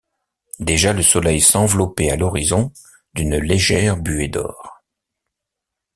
Déjà le soleil s’enveloppait à l’horizon d’une légère buée d’or.